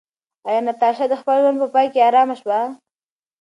ایا ناتاشا د خپل ژوند په پای کې ارامه شوه؟